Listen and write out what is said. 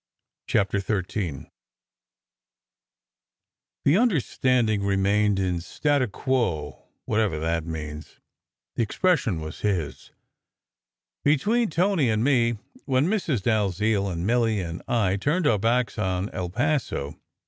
CHAPTER XIII f ^HE "understanding" remained in statu quo (what ever that means; the expression was his) between " Tony and me, when Mrs. Dalziel and Milly and I turned our backs on El Paso.